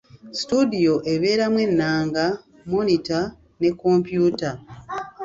Situdiyo ebeeramu ennanga, mmonita ne kompyuta.